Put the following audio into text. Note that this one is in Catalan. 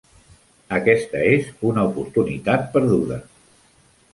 Aquesta és una oportunitat perduda.